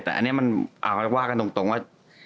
แต่อันนี้มันว่ากันตรงว่า